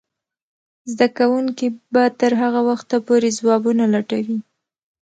زده کوونکې به تر هغه وخته پورې ځوابونه لټوي.